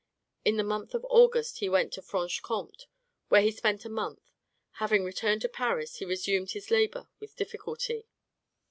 In the month of August he went to Franche Comte, where he spent a month. Having returned to Paris, he resumed his labor with difficulty....